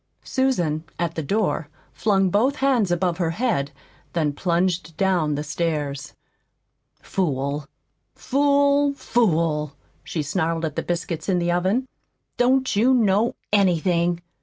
Susan, at the door, flung both hands above her head, then plunged down the stairs. "Fool! FOOL! FOOL!" she snarled at the biscuits in the oven. "Don't you know ANYTHING?"